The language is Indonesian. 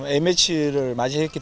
dan kami juga ingin menikmati pertandingan